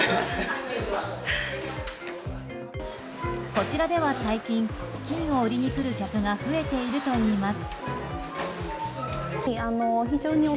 こちらでは最近金を売りに来る客が増えているといいます。